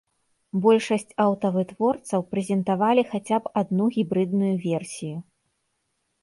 Большасць аўтавытворцаў прэзентавалі хаця б адну гібрыдную версію.